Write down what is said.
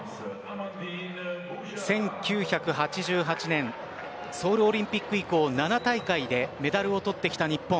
１９８８年ソウルオリンピック以降７大会でメダルを取ってきた日本。